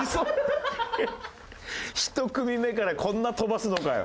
１組目からこんな飛ばすのかよ。